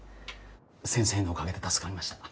先生のおかげで助かりました。